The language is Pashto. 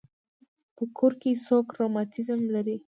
په کور کې څوک رماتیزم لري.